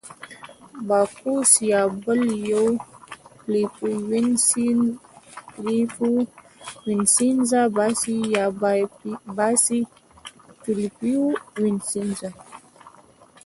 باکوس یا بل یو، فلیپو وینسینزا، باسي یا باسي فلیپو وینسینزا.